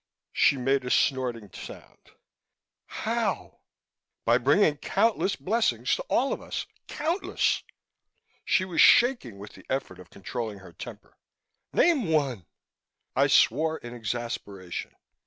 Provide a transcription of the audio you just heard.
She made a snorting sound. "How?" "By bringing countless blessings to all of us. Countless!" She was shaking with the effort of controlling her temper. "Name one!" I swore in exasperation.